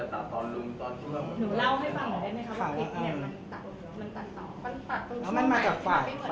หนูเล่าให้ฟังก่อนได้ไหมค่ะว่าคลิปเนี่ยมันตัดต่อ